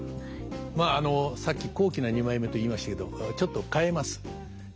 まあさっき「高貴な二枚目」と言いましたけどちょっと変えます。